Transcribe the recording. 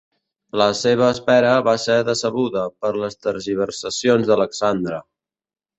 La seva espera va ser decebuda per les tergiversacions d'Alexandre.